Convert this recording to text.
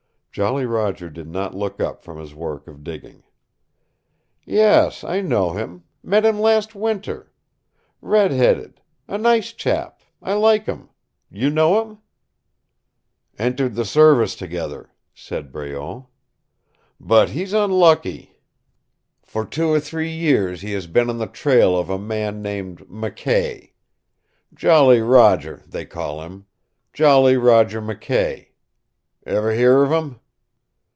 Jolly Roger did not look up from his work of digging. "Yes, I know him. Met him last winter. Red headed. A nice chap. I like him. You know him?" "Entered the service together," said Breault. "But he's unlucky. For two or three years he has been on the trail of a man named McKay. Jolly Roger, they call him Jolly Roger McKay. Ever hear of him?"